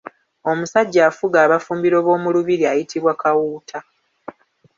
Omusajja afuga abafumbiro b’omu lubiri ayitibwa Kawuuta.